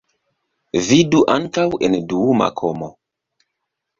Vidu ankaŭ en duuma komo.